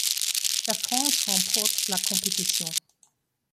La France remporte la compétition.